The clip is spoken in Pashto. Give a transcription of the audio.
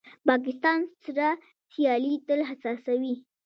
پاکستان سره سیالي تل حساسه وي.